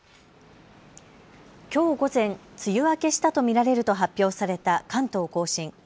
きょう午前、梅雨明けしたと見られると発表された関東甲信。